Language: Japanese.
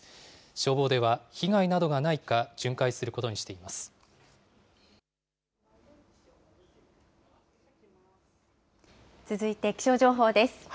消防では被害などがないか巡回す続いて気象情報です。